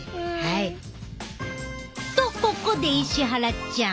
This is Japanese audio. とここで石原ちゃん。